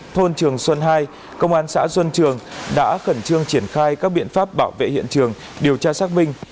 thôn trường xuân hai công an xã xuân trường đã khẩn trương triển khai các biện pháp bảo vệ hiện trường điều tra xác minh